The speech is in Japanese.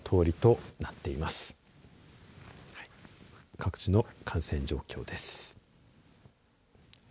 各地の感染状況です。